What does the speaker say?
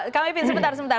kamu ipin sebentar sebentar